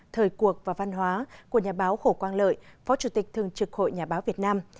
thời cuộc và văn hóa của nhà báo hồ quang lợi phó chủ tịch thường trực hội nhà báo việt nam